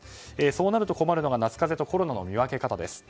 そうなると困るのが夏風邪とコロナの見分け方です。